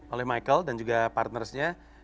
oleh michael dan juga partnersnya